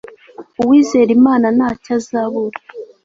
uwizera imana ntacyo azabura